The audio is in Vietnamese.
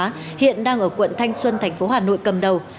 lê bá hải là một đối tượng ở quận thanh xuân thành phố hà nội cầm đầu